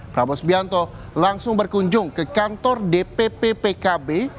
prabowo subianto langsung berkunjung ke kantor dpp pkb